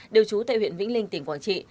đều trú tại huyện vĩnh linh tỉnh quảng trị